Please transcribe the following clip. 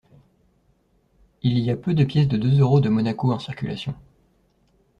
Il y a peu de pièces de deux euros de Monaco en circulation.